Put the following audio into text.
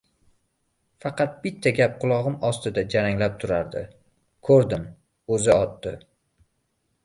Faqat bitta gap qulog‘im ostida jaranglab turardi: «Ko‘rdim, o‘zi otdi».